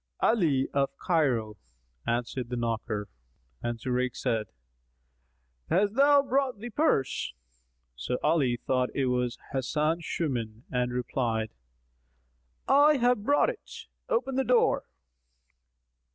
"Ali of Cairo," answered the knocker; and Zurayk said, "Hast thou brought the purse?" So Ali thought it was Hasan Shuman and replied, "I have brought it;[FN#246] open the door."